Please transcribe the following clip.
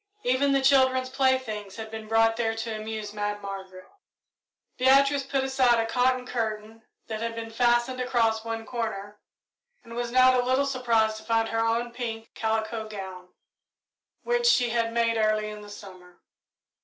Even the children's playthings had been brought there to amuse Mad Margaret. Beatrice pulled aside a cotton curtain that had been fastened across one corner, and was not a little surprised to find her own pink calico gown, which she had made early in the summer.